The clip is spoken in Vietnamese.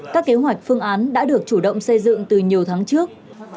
các kế hoạch phương án đã được chủ động xây dựng từ nhiều tháng trước